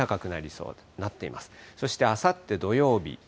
そしてあさって土曜日。